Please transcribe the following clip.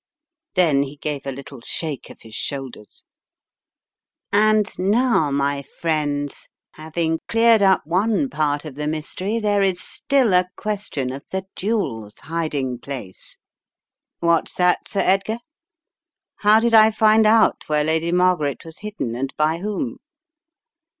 Then he gave a little shake of his shoulders. "And now, my friends, having cleared up one part of the mystery, there is still a question of the jewels' hiding place. ... What's that, Sir * Edgar? How did I find out where Lady Margaret was hidden and by whom?